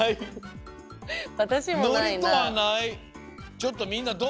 ちょっとみんなどう？